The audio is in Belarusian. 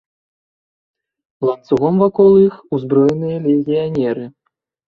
Ланцугом вакол іх узброеныя легіянеры.